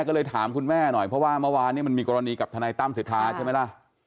ก็เลยถามคุณแม่หน่อยเพราะว่าเมื่อวานเนี่ยมันมีกรณีกับทนายตั้มสิทธาใช่ไหมล่ะ